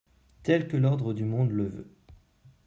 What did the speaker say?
tel que l'ordre du monde le veut.